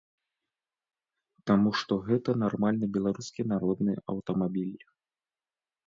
Таму што гэта нармальны беларускі народны аўтамабіль.